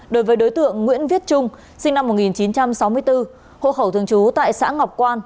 đối với đối tượng nguyễn viết trung sinh năm một nghìn chín trăm sáu mươi bốn hộ khẩu thường trú tại xã ngọc quan